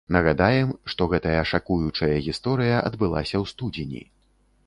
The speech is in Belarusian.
Нагадаем, што гэтая шакуючая гісторыя адбылася ў студзені.